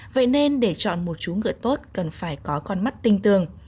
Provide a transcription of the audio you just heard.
vậy nên để chọn một chú ngựa tốt cần phải có con mắt tinh tường